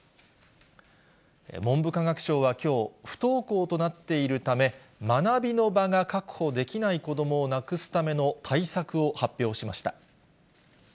文部科学省はきょう、不登校となっているため、学びの場が確保できない子どもをなくすための対策を発表しました。